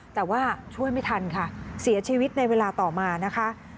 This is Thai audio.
แต่ว่าช่วยไม่ทันค่ะเสียชีวิตในเวลาต่อมานะคะ